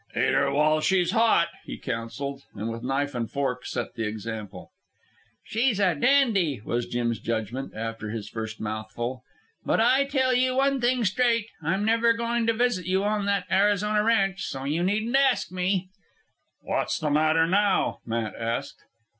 "Eat her while she's hot," he counselled, and with knife and fork set the example. "She's a dandy," was Jim's judgment, after his first mouthful. "But I tell you one thing straight. I'm never goin' to visit you on that Arizona ranch, so you needn't ask me." "What's the matter now?" Matt asked.